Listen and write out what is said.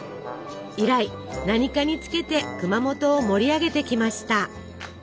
以来何かにつけて熊本を盛り上げてきました。